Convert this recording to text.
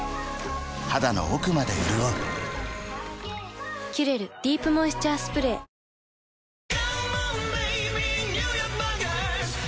肌の奥まで潤う「キュレルディープモイスチャースプレー」あああい‼